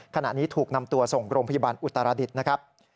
ขณะนี้ถูกนำตัวส่งโรงพยาบาลอุตรศาสตร์อุตรศาสตร์ระดิษฐ์นะครับ